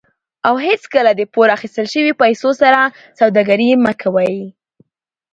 او هیڅکله د پور اخیستل شوي پیسو سره سوداګري مه کوئ.